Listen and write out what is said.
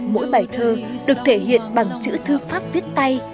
mỗi bài thơ được thể hiện bằng chữ thư pháp viết tay